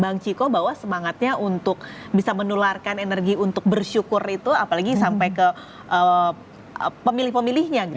bang chiko bahwa semangatnya untuk bisa menularkan energi untuk bersyukur itu apalagi sampai ke pemilih pemilihnya gitu